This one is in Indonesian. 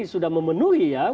sudah memenuhi ya